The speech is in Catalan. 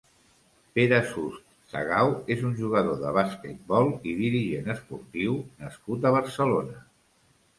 Pere Sust Sagau és un jugador de basquetbol i dirigent esportiu nascut a Barcelona.